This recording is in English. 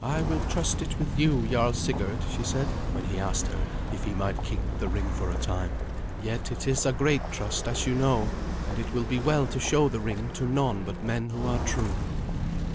"I will trust it with you, Jarl Sigurd," she said, when he asked her if he might keep the ring for a time. "Yet it is a great trust, as you know, and it will be well to show the ring to none but men who are true."